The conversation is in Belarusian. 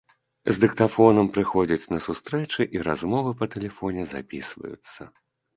З дыктафонам прыходзяць на сустрэчы і размовы па тэлефоне запісваюцца.